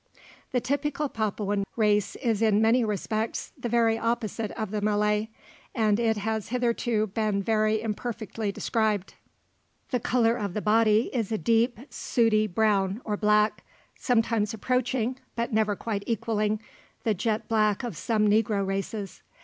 The typical Papuan race is in many respects the very opposite of the Malay, and it has hitherto been very imperfectly described. The colour of the body is a deep sooty brown or black, sometimes approaching, but never quite equalling, the jet black of some negro races.